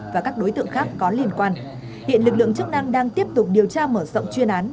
và các đối tượng khác có liên quan hiện lực lượng chức năng đang tiếp tục điều tra mở rộng chuyên án